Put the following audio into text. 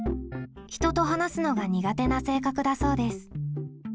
人と話すのが苦手な性格だそうです。